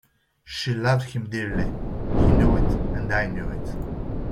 She loved him dearly; he knew it, and I knew it.